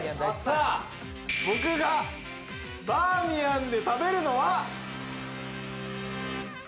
僕がバーミヤンで食べるのは。